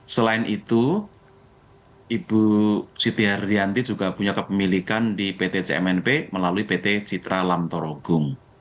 selain itu ibu siti hardianti juga punya kepemilikan di pt cmnp melalui pt citra lamtorogung